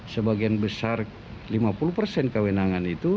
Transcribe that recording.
sebagian besar lima puluh persen kewenangan itu